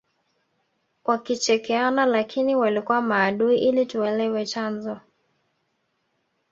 wakichekeana lakini walikuwa maadui ili tuelewe chanzo